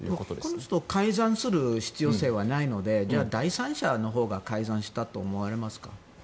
この人は改ざんする必要性はないので第三者のほうが改ざんしたと思われますか？